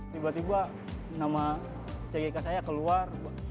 tiba tiba nama cgk saya keluar